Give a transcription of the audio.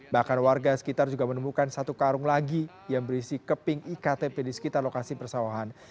bahkan warga sekitar juga menemukan satu karung lagi yang berisi keping iktp di sekitar lokasi persawahan